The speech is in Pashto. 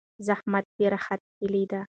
زحمت د راحت کیلي ده.